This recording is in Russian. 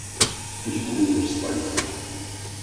Включи телевизор в спальне.